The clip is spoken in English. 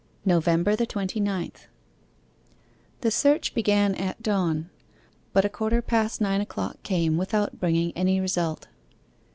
NOVEMBER THE TWENTY NINTH The search began at dawn, but a quarter past nine o'clock came without bringing any result.